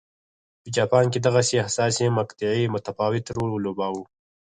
په جاپان کې دغې حساسې مقطعې متفاوت رول ولوباوه.